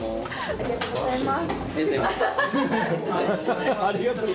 ありがとうございます。